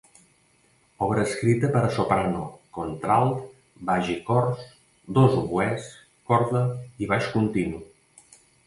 Obra escrita per a soprano, contralt, baix i cor; dos oboès, corda i baix continu.